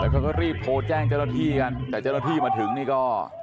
เขาก็รีบโทรแจ้งเจ้าหน้าที่กันแต่เจ้าหน้าที่มาถึงนี่ก็